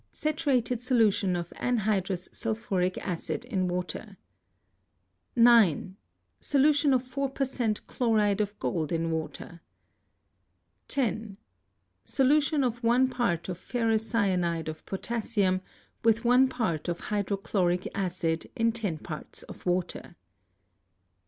Saturated solution of anhydrous sulphuric acid in water. 9. Solution of 4 per cent. chloride of gold in water. 10. Do. of one part of ferrocyanide of potassium with one part of hydrochloric acid in 10 parts of water.